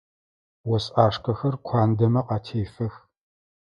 Ос ӏашкӏэхэр куандэмэ къатефэх.